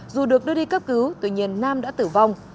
dù được đưa đi cấp cứu tuy nhiên nam đã tử vong